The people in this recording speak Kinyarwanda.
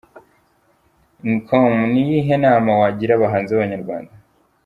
com : Ni iyihe nama wagira abahanzi b'abanyarwanda ?.